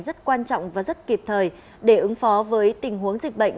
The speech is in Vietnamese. rất quan trọng và rất kịp thời để ứng phó với tình huống dịch bệnh